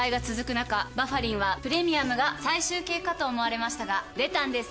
中「バファリン」はプレミアムが最終形かと思われましたが出たんです